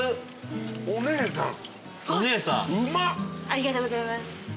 ありがとうございます。